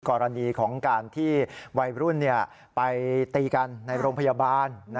กรณีของการที่วัยรุ่นไปตีกันในโรงพยาบาล